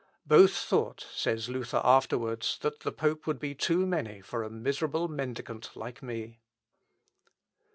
"Both thought," says Luther afterwards, "that the pope would be too many for a miserable mendicant like me."